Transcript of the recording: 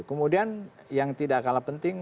kemudian yang tidak kalah penting